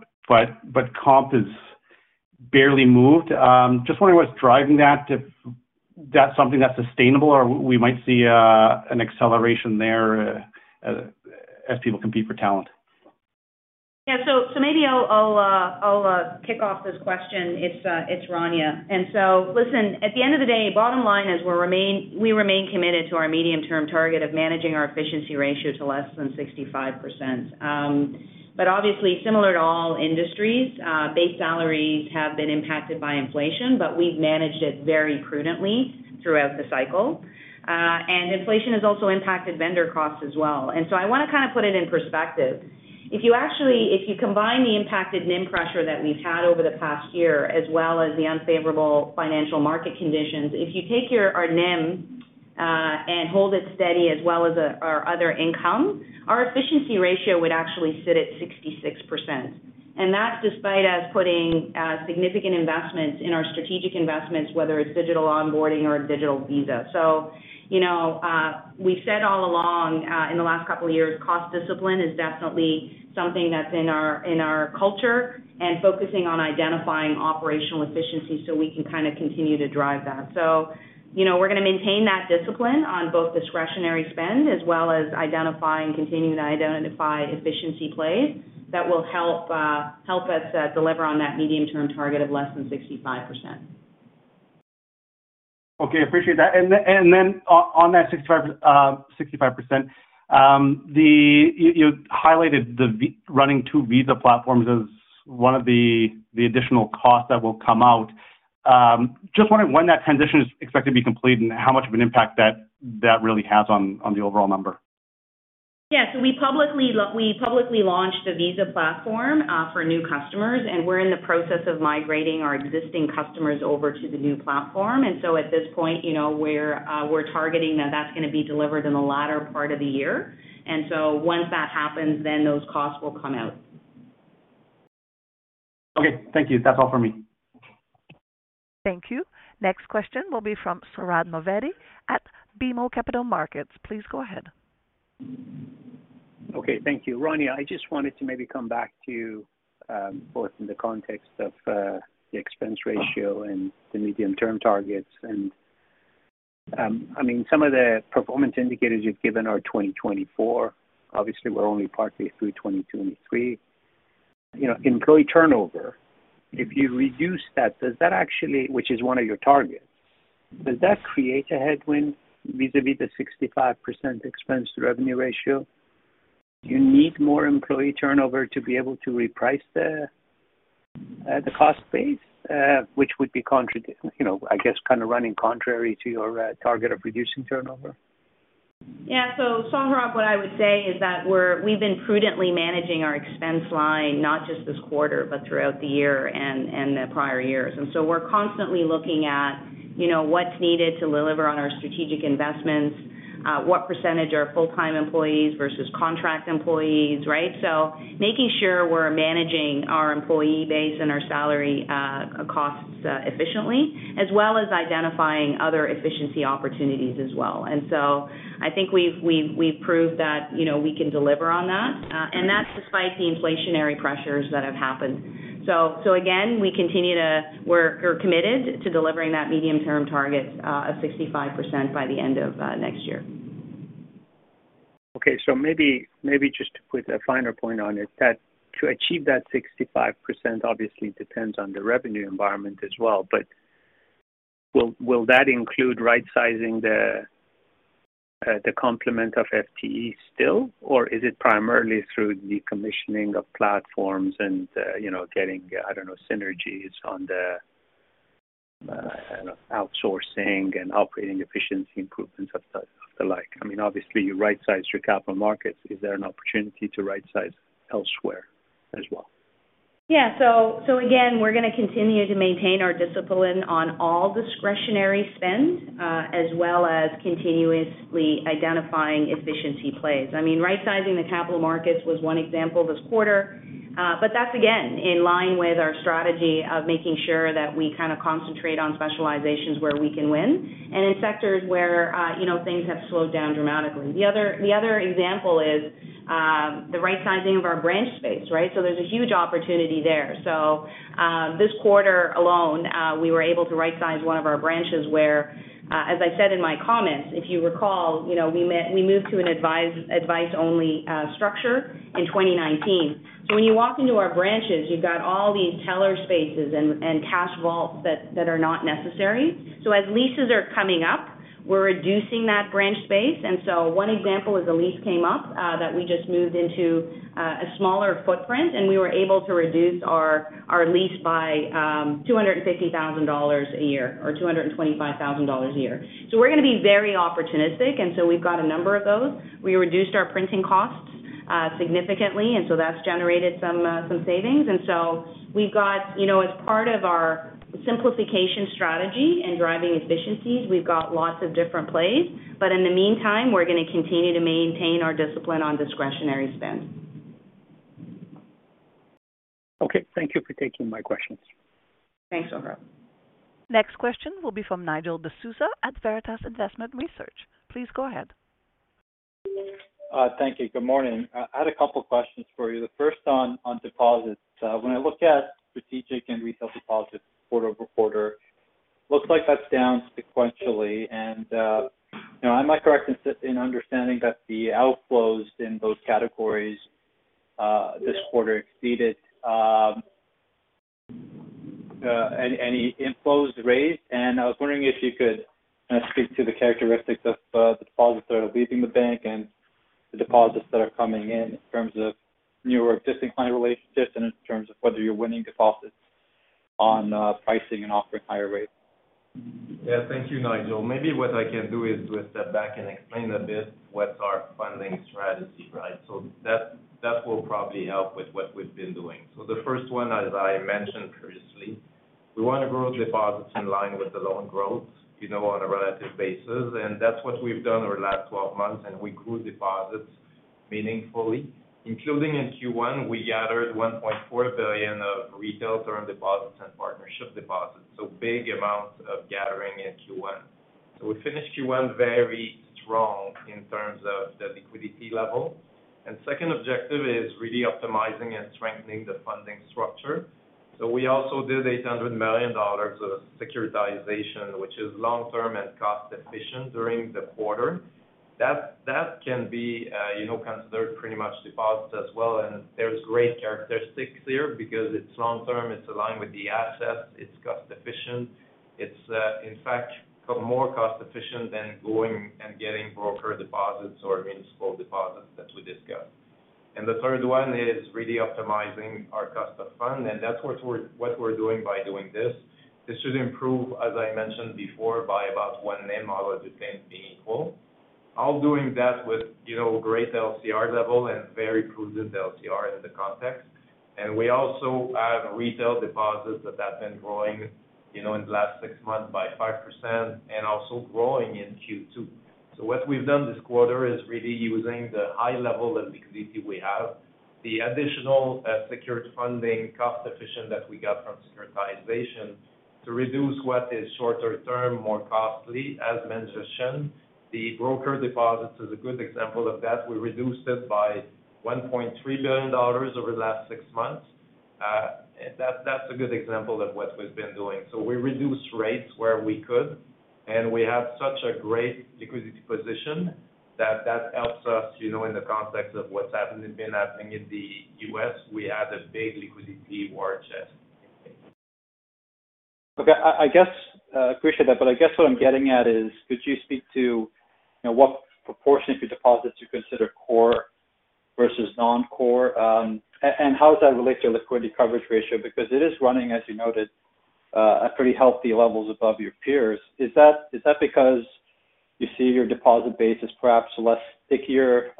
comp is barely moved. Just wondering what's driving that, if that's something that's sustainable or we might see an acceleration there as people compete for talent. Yeah. So maybe I'll kick off this question. It's Rania. Listen, at the end of the day, bottom line is we remain committed to our medium-term target of managing our efficiency ratio to less than 65%. Obviously, similar to all industries, base salaries have been impacted by inflation, but we've managed it very prudently throughout the cycle. Inflation has also impacted vendor costs as well. I want to kind of put it in perspective. If you combine the impacted NIM pressure that we've had over the past year, as well as the unfavorable financial market conditions, if you take your, our NIM, and hold it steady, as well as our other income, our efficiency ratio would actually sit at 66%. That's despite us putting significant investments in our strategic investments, whether it's digital onboarding or digital Visa. You know, we've said all along in the last couple of years, cost discipline is definitely something that's in our, in our culture, and focusing on identifying operational efficiencies so we can kind of continue to drive that. You know, we're going to maintain that discipline on both discretionary spend as well as identifying, continuing to identify efficiency plays that will help us deliver on that medium-term target of less than 65%. Okay, appreciate that. On that 65%, You highlighted the running two Visa platforms as one of the additional costs that will come out. Just wondering when that transition is expected to be complete and how much of an impact that really has on the overall number? We publicly launched the Visa platform for new customers, and we're in the process of migrating our existing customers over to the new platform. At this point, you know, we're targeting that that's going to be delivered in the latter part of the year. Once that happens, then those costs will come out. Okay. Thank you. That's all for me. Thank you. Next question will be from Sohrab Movahedi at BMO Capital Markets. Please go ahead. Okay, thank you. Rania, I just wanted to maybe come back to, both in the context of, the expense ratio and the medium-term targets. I mean, some of the performance indicators you've given are 2024. Obviously, we're only partly through 2022 and 2023. You know, employee turnover, if you reduce that, does that actually, which is one of your targets, does that create a headwind vis-a-vis the 65% expense to revenue ratio? Do you need more employee turnover to be able to reprice the cost base, which would be you know, I guess kind of running contrary to your target of reducing turnover? Sohrab, what I would say is that we've been prudently managing our expense line, not just this quarter, but throughout the year and the prior years. We're constantly looking at, you know, what's needed to deliver on our strategic investments, what percentage are full-time employees versus contract employees, right? Making sure we're managing our employee base and our salary costs efficiently, as well as identifying other efficiency opportunities as well. I think we've proved that, you know, we can deliver on that, and that's despite the inflationary pressures that have happened. Again, we continue to. We're committed to delivering that medium-term target of 65% by the end of next year. Okay. Maybe just to put a finer point on it, that to achieve that 65% obviously depends on the revenue environment as well. Will that include right-sizing the complement of FTE still? Or is it primarily through decommissioning of platforms and, you know, getting, I don't know, synergies on the outsourcing and operating efficiency improvements of the like? Obviously, you right-sized your capital markets. Is there an opportunity to right-size elsewhere as well? Yeah. Again, we're going to continue to maintain our discipline on all discretionary spends, as well as continuously identifying efficiency plays. I mean, right-sizing the capital markets was one example this quarter, but that's again, in line with our strategy of making sure that we kind of concentrate on specializations where we can win, and in sectors where, you know, things have slowed down dramatically. The other example is the right-sizing of our branch space, right? There's a huge opportunity there. This quarter alone, we were able to rightsize one of our branches where, as I said in my comments, if you recall, you know, we moved to an advice-only structure in 2019. When you walk into our branches, you've got all these teller spaces and cash vaults that are not necessary. As leases are coming up, we're reducing that branch space. One example is a lease came up that we just moved into a smaller footprint, and we were able to reduce our lease by 250,000 dollars a year, or 225,000 dollars a year. We're gonna be very opportunistic, and we've got a number of those. We reduced our printing costs significantly, and that's generated some savings. We've got, you know, as part of our simplification strategy and driving efficiencies, we've got lots of different plays. In the meantime, we're gonna continue to maintain our discipline on discretionary spend. Okay, thank you for taking my questions. Thanks, Sohrab. Next question will be from Nigel D'Souza at Veritas Investment Research. Please go ahead. Thank you. Good morning. I had a couple questions for you. The first on deposits. When I look at strategic and retail deposits quarter-over-quarter, looks like that's down sequentially. You know, I might correct in understanding that the outflows in those categories this quarter exceeded any inflows raised. I was wondering if you could kind of speak to the characteristics of the deposits that are leaving the bank and the deposits that are coming in terms of newer or existing client relationships, and in terms of whether you're winning deposits on pricing and offering higher rates. Thank you, Nigel. Maybe what I can do is to step back and explain a bit what's our funding strategy, right? That, that will probably help with what we've been doing. The first one, as I mentioned previously, we want to grow deposits in line with the loan growth, you know, on a relative basis, and that's what we've done over the last 12 months, and we grew deposits meaningfully. Including in Q1, we gathered 1.4 billion of retail term deposits and partnership deposits, big amounts of gathering in Q1. We finished Q1 very strong in terms of the liquidity level. Second objective is really optimizing and strengthening the funding structure. We also did 800 million dollars of securitization, which is long-term and cost efficient during the quarter. That can be, you know, considered pretty much deposits as well. There's great characteristics there because it's long-term, it's aligned with the assets, it's cost efficient. It's, in fact, more cost efficient than going and getting broker deposits or municipal deposits that we discussed. The third one is really optimizing our cost of fund, and that's what we're doing by doing this. This should improve, as I mentioned before, by about one NIM, all other things being equal. All doing that with, you know, great LCR level and very prudent LCR in the context. We also have retail deposits that have been growing, you know, in the last six months by 5% and also growing in Q2. What we've done this quarter is really using the high level of liquidity we have, the additional, secured funding, cost-efficient that we got from securitization, to reduce what is shorter term, more costly, as mentioned. The broker deposits is a good example of that. We reduced it by 1.3 billion dollars over the last six months. That's a good example of what we've been doing. We reduced rates where we could, and we have such a great liquidity position that helps us, you know, in the context of what's happened and been happening in the U.S., we have a big liquidity war chest. Okay, I guess, appreciate that, but I guess what I'm getting at is, could you speak to, you know, what proportion of your deposits you consider core versus non-core? How does that relate to your liquidity coverage ratio? It is running, as you noted, at pretty healthy levels above your peers. Is that because you see your deposit base as perhaps less stickier,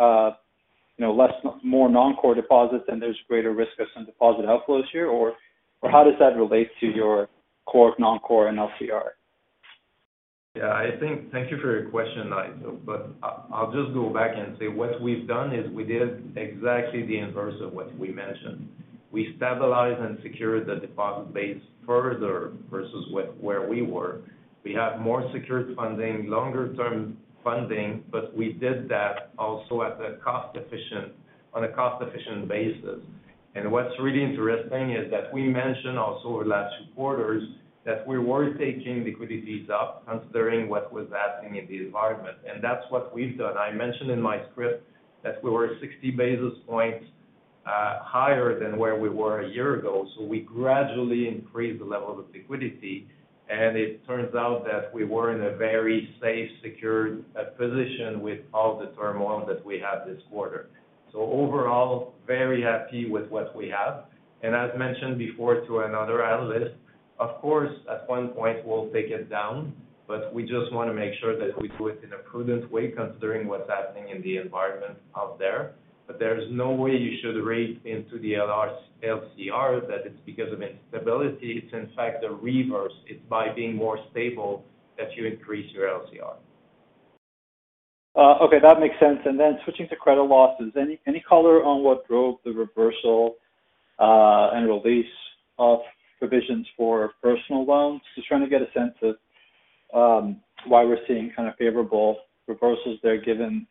you know, more non-core deposits, and there's greater risk of some deposit outflows here? How does that relate to your core, non-core and LCR? Yeah, thank you for your question, Nigel, but I'll just go back and say what we've done is we did exactly the inverse of what we mentioned. We stabilized and secured the deposit base further versus where we were. We have more secured funding, longer term funding, but we did that also on a cost-efficient basis. What's really interesting is that we mentioned also over the last two quarters, that we were taking liquidities up, considering what was happening in the environment, and that's what we've done. I mentioned in my script that we were 60 basis points higher than where we were a year ago, so we gradually increased the level of liquidity, and it turns out that we were in a very safe, secure position with all the turmoil that we had this quarter. Overall, very happy with what we have. As mentioned before to another analyst, of course, at one point we'll take it down, but we just want to make sure that we do it in a prudent way, considering what's happening in the environment out there. There's no way you should read into the LCR, that it's because of instability. It's in fact, the reverse. It's by being more stable that you increase your LCR. Okay, that makes sense. Switching to credit losses, any color on what drove the reversal and release of provisions for personal loans? Just trying to get a sense of why we're seeing kind of favorable reversals there, given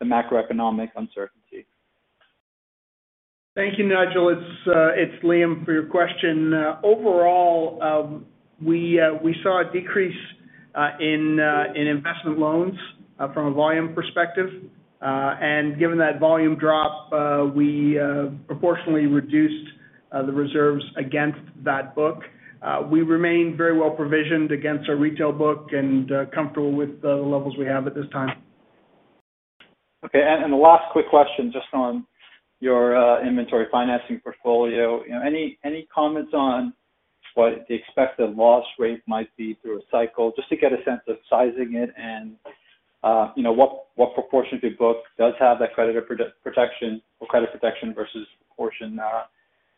the macroeconomic uncertainty. Thank you, Nigel. It's Liam, for your question. Overall, we saw a decrease in investment loans from a volume perspective. Given that volume drop, we proportionately reduced-... The reserves against that book. We remain very well provisioned against our retail book and comfortable with the levels we have at this time. Okay. The last quick question, just on your inventory financing portfolio. You know, any comments on what the expected loss rate might be through a cycle, just to get a sense of sizing it and, you know, what proportion of your book does have that creditor protection or credit protection versus the portion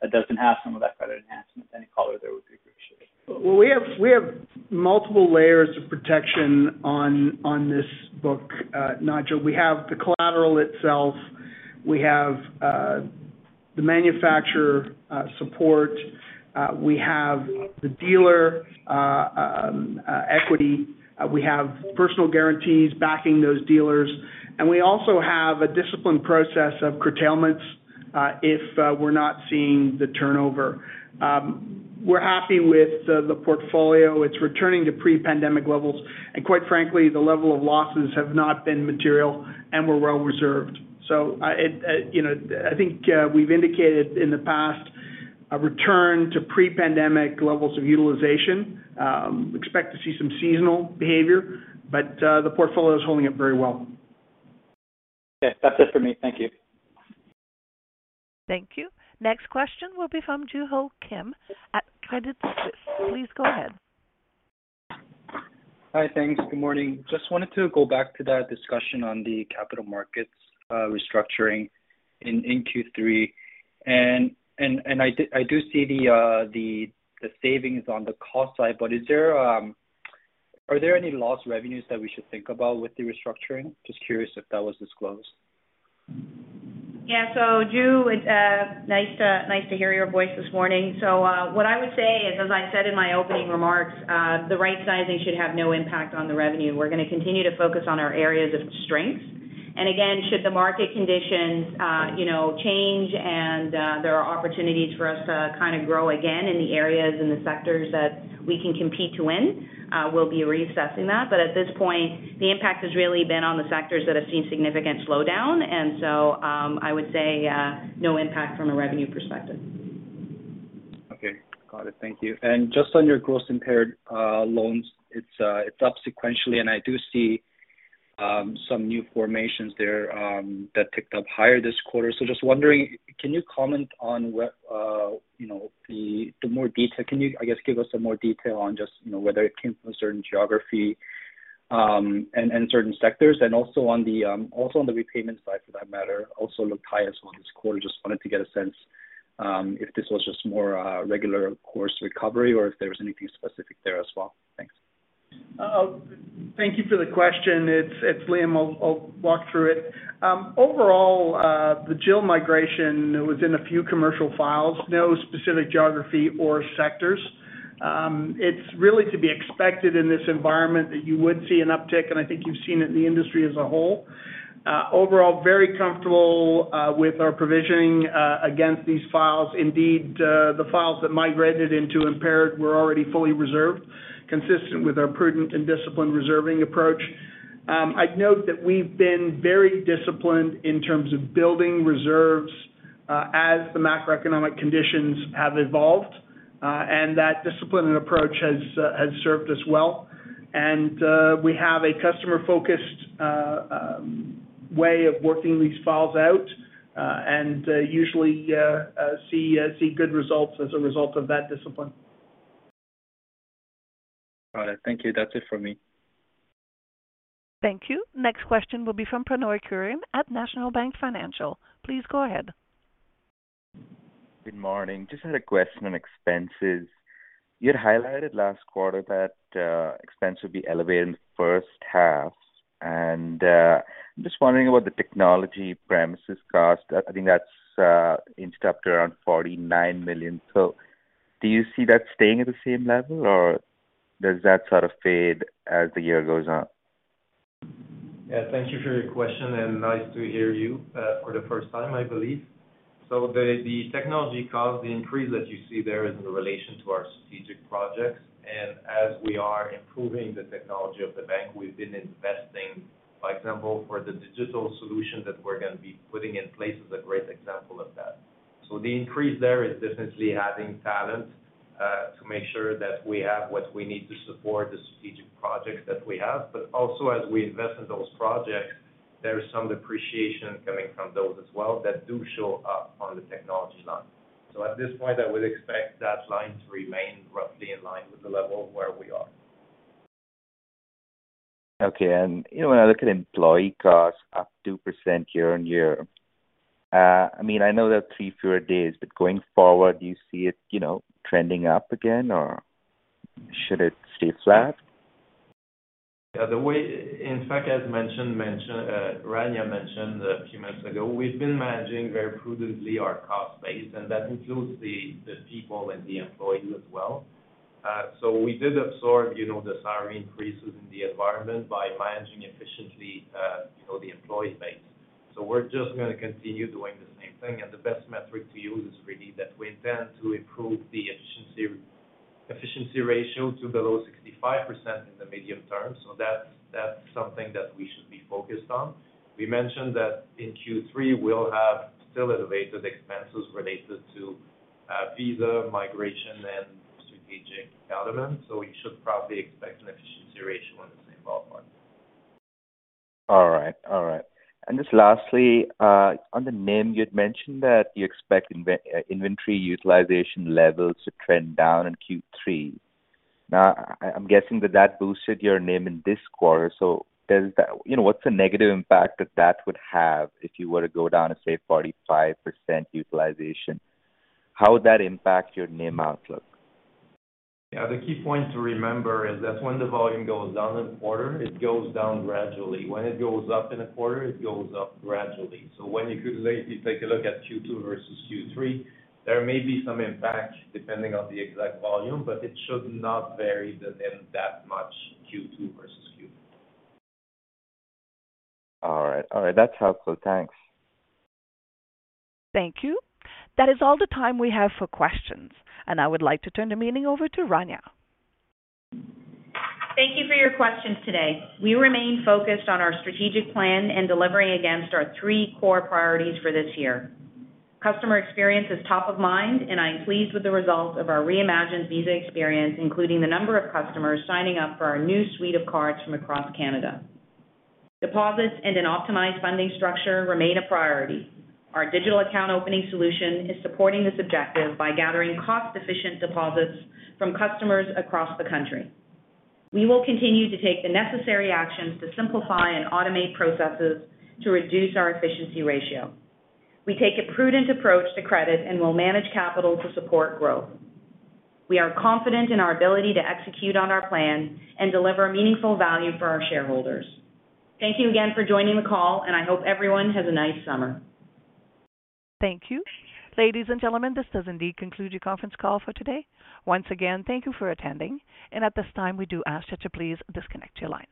that doesn't have some of that credit enhancement? Any color there would be appreciated. Well, we have multiple layers of protection on this book, Nigel. We have the collateral itself, we have the manufacturer support, we have the dealer equity, we have personal guarantees backing those dealers. We also have a disciplined process of curtailments if we're not seeing the turnover. We're happy with the portfolio. It's returning to pre-pandemic levels, and quite frankly, the level of losses have not been material, and we're well reserved. I, you know, I think we've indicated in the past a return to pre-pandemic levels of utilization. Expect to see some seasonal behavior, but the portfolio is holding up very well. Okay, that's it for me. Thank you. Thank you. Next question will be from Joo-Ho Kim at Credit Suisse. Please go ahead. Hi, thanks. Good morning. Just wanted to go back to that discussion on the capital markets restructuring in Q3. I do see the savings on the cost side, but is there any lost revenues that we should think about with the restructuring? Just curious if that was disclosed. Yeah. Ju, it's nice to, nice to hear your voice this morning. What I would say is, as I said in my opening remarks, the right sizing should have no impact on the revenue. We're going to continue to focus on our areas of strength. Again, should the market conditions, you know, change and, there are opportunities for us to kind of grow again in the areas and the sectors that we can compete to win, we'll be reassessing that. At this point, the impact has really been on the sectors that have seen significant slowdown. I would say, no impact from a revenue perspective. Okay. Got it. Thank you. Just on your Gross Impaired Loans, it's up sequentially, I do see some new formations there that ticked up higher this quarter. Just wondering, can you comment on what, you know, can you give us some more detail on just, you know, whether it came from a certain geography and certain sectors? Also on the repayment side, for that matter, also looked higher as well this quarter. Just wanted to get a sense if this was just more regular course recovery or if there was anything specific there as well. Thanks. Thank you for the question. It's Liam. I'll walk through it. Overall, the GIL migration was in a few commercial files, no specific geography or sectors. It's really to be expected in this environment that you would see an uptick, and I think you've seen it in the industry as a whole. Overall, very comfortable with our provisioning against these files. Indeed, the files that migrated into impaired were already fully reserved, consistent with our prudent and disciplined reserving approach. I'd note that we've been very disciplined in terms of building reserves as the macroeconomic conditions have evolved, and that disciplined approach has served us well. We have a customer-focused way of working these files out, and usually see good results as a result of that discipline. Got it. Thank you. That's it from me. Thank you. Next question will be from Pranay Kurian at National Bank Financial. Please go ahead. Good morning. Just had a question on expenses. You had highlighted last quarter that expense would be elevated in the first half. I'm just wondering about the technology premises cost. I think that's in up to around 49 million. Do you see that staying at the same level, or does that sort of fade as the year goes on? Yeah, thank you for your question, and nice to hear you for the first time, I believe. The technology cost, the increase that you see there is in relation to our strategic projects, and as we are improving the technology of the bank, we've been investing. For example, for the digital solution that we're going to be putting in place is a great example of that. The increase there is definitely adding talent to make sure that we have what we need to support the strategic projects that we have. But also, as we invest in those projects, there is some depreciation coming from those as well that do show up on the technology line. At this point, I would expect that line to remain roughly in line with the level where we are. Okay. You know, when I look at employee costs up 2% year-on-year, I mean, I know there are three fewer days, but going forward, do you see it, you know, trending up again, or should it stay flat? In fact, as mentioned, Rania mentioned a few minutes ago, we've been managing very prudently our cost base, and that includes the people and the employees as well. We did absorb, you know, the salary increases in the environment by managing efficiently, you know, the employee base. We're just going to continue doing the same thing, and the best metric to use is really that we intend to improve the efficiency ratio to below 65% in the medium term. That's something that we should be focused on. We mentioned that in Q3, we'll have still elevated expenses related to Visa, migration, and strategic development. We should probably expect an efficiency ratio in the same ballpark. All right. All right. Just lastly, on the NIM, you had mentioned that you expect inventory utilization levels to trend down in Q3. I'm guessing that that boosted your NIM in this quarter, you know, what's the negative impact that that would have if you were to go down to, say, 45% utilization? How would that impact your NIM outlook? Yeah, the key point to remember is that when the volume goes down in a quarter, it goes down gradually. When it goes up in a quarter, it goes up gradually. When you could, like, you take a look at Q2 versus Q3, there may be some impact depending on the exact volume, but it should not vary the NIM that much, Q2 versus Q3. All right. All right. That's helpful. Thanks. Thank you. That is all the time we have for questions. I would like to turn the meeting over to Rania. Thank you for your questions today. We remain focused on our strategic plan and delivering against our three core priorities for this year. Customer experience is top of mind, and I am pleased with the results of our reimagined Visa experience, including the number of customers signing up for our new suite of cards from across Canada. Deposits and an optimized funding structure remain a priority. Our digital account opening solution is supporting this objective by gathering cost-efficient deposits from customers across the country. We will continue to take the necessary actions to simplify and automate processes to reduce our efficiency ratio. We take a prudent approach to credit and will manage capital to support growth. We are confident in our ability to execute on our plan and deliver meaningful value for our shareholders. Thank you again for joining the call, and I hope everyone has a nice summer. Thank you. Ladies and gentlemen, this does indeed conclude your conference call for today. Once again, thank you for attending, at this time, we do ask that you please disconnect your lines.